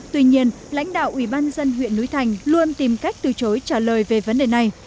tuy nhiên lãnh đạo ủy ban dân huyện núi thành luôn tìm cách từ chối trả lời về vấn đề này